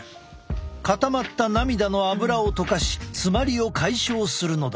固まった涙のアブラを溶かし詰まりを解消するのだ。